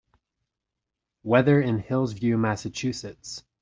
weather in Hillsview Massachusetts